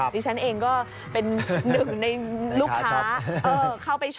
ที่ฉันเองก็เป็นหนึ่งในลูกค้า